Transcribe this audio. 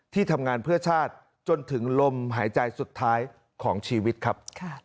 ที่ทำงานเพื่อชาติจนถึงลมหายใจสุดท้ายของชีวิตครับ